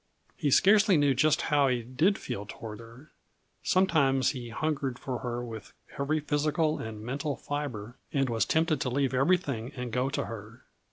He scarcely knew just how he did feel toward her; sometimes he hungered for her with every physical and mental fibre and was tempted to leave everything and go to her.